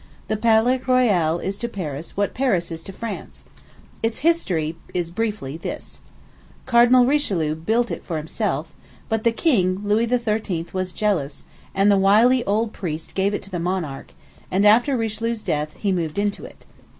The Palais Royal is to Paris what Paris is to France. Its history is briefly this: Cardinal Richelieu built it for himself; but the king, Louis XIII., was jealous, and the wily old priest gave it to the monarch, and, after Richelieu's death, he moved into it.